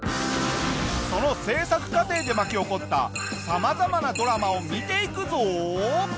その製作過程で巻き起こった様々なドラマを見ていくぞ！